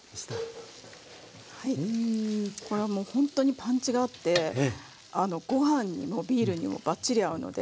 これはもうほんとにパンチがあってごはんにもビールにもバッチリ合うので。